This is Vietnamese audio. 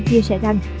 chia sẻ rằng